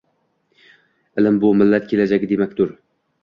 Ilm bu millat kelajagi demakdir.